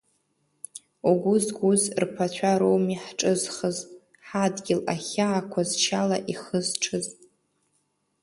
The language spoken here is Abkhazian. Угәы згәыз рԥацәа роуми ҳҿызхыз, ҳадгьыл ахьаақәа зшьала ихызҽыз.